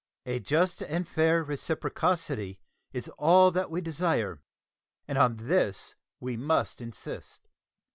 A just and fair reciprocity is all that we desire, and on this we must insist.